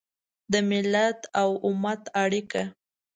د ملت او امت اړیکه